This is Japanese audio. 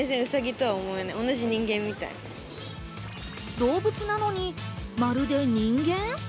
動物なのに、まるで人間？